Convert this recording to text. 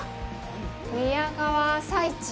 宮川朝市。